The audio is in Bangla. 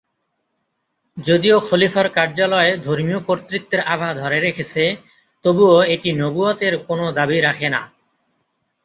যদিও খলিফার কার্যালয় ধর্মীয় কর্তৃত্বের আভা ধরে রেখেছে, তবুও এটি নবুয়ত এর কোন দাবি রাখে না।